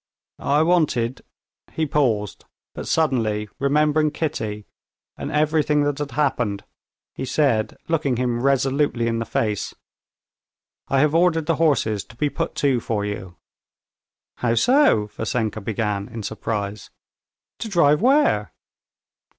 "I wanted...." He paused, but suddenly, remembering Kitty and everything that had happened, he said, looking him resolutely in the face: "I have ordered the horses to be put to for you." "How so?" Vassenka began in surprise. "To drive where?"